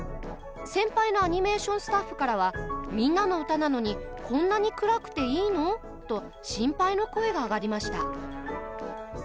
先輩のアニメーションスタッフからは「『みんなのうた』なのにこんなに暗くていいの？」と心配の声が上がりました。